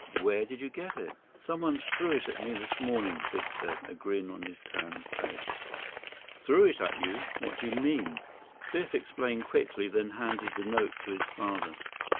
Where did you get it?" "Someone threw it at me this morning," Biff said, a grin on his tanned face. "Threw it at you? What do you mean?" 9 Biff explained quickly, then handed the note to his father.